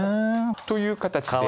という形で。